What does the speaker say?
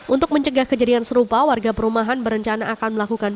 untuk mencegah kejadian serupa warga perumahan berencana akan melakukan